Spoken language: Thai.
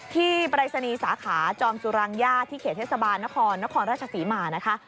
ปรายศนีย์สาขาจอมสุรังญาติที่เขตเทศบาลนครนครราชศรีมานะคะ